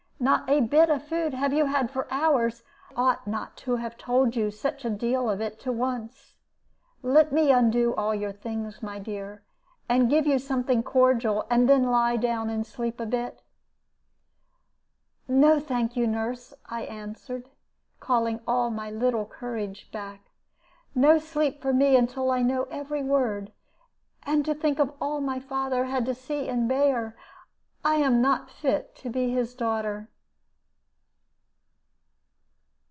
Not a bit of food have you had for hours. I ought not to have told you such a deal of it to once. Let me undo all your things, my dear, and give you something cordial; and then lie down and sleep a bit." "No, thank you, nurse," I answered, calling all my little courage back. "No sleep for me until I know every word. And to think of all my father had to see and bear! I am not fit to be his daughter."